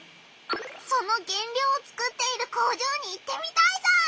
その原料を作っている工場に行ってみたいぞ！